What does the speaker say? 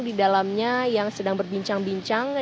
di dalamnya yang sedang berbincang bincang